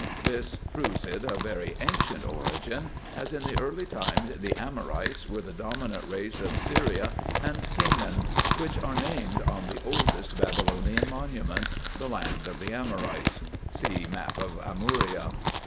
This proves it of very ancient origin, as in the early times the Amorites were the dominant race of Syria and Canaan, which are named on the oldest Babylonian monuments "the land of the Amorites." (See map of Amouria.)